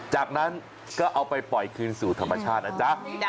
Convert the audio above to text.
จากนั้นก็เอาไปปล่อยคืนสู่ธรรมชาตินะจ๊ะ